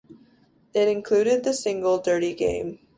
It included the single "Dirty Game".